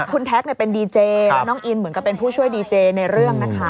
คุณแท็กเป็นดีเจแล้วน้องอินเหมือนกับเป็นผู้ช่วยดีเจในเรื่องนะคะ